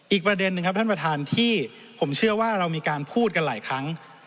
อีกประเด็นหนึ่งครับท่านประธานที่ผมเชื่อว่าเรามีการพูดกันหลายครั้ง